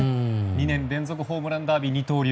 ２年連続ホームランダービー二刀流。